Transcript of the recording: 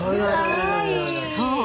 そう！